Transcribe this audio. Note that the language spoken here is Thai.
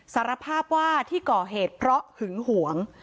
สารภาพว่าที่ก่อเหตุเพราะหึงหวง